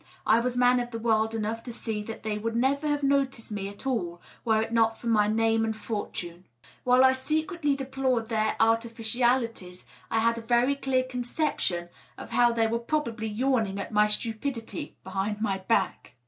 I was man of tlie world enough to see that they would never have noticed me at all were it not for my name and fortune. While I secretly deplored their artificialities, I had a very clear conception of how they were probably yawning at my stupidity behind my back.